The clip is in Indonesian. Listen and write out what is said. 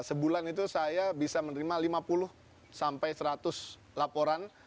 sebulan itu saya bisa menerima lima puluh sampai seratus laporan